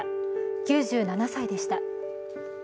９７歳でした。